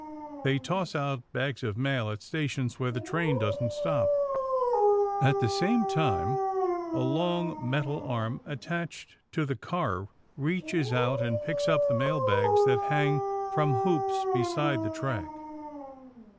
They toss out bags of mail at stations where the train doesn't stop. At the same time, a long metal arm attached to the car reaches out and picks up mailbags that hang from hoops beside the track.